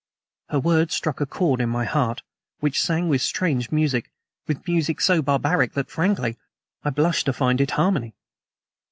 Her words struck a chord in my heart which sang with strange music, with music so barbaric that, frankly, I blushed to find it harmony.